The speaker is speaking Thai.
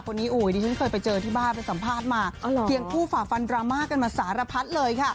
อุ๋ยดิฉันเคยไปเจอที่บ้านไปสัมภาษณ์มาเคียงคู่ฝ่าฟันดราม่ากันมาสารพัดเลยค่ะ